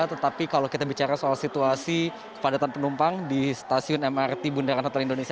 tetapi kalau kita bicara soal situasi kepadatan penumpang di stasiun mrt bundaran hotel indonesia